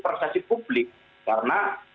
persesi publik karena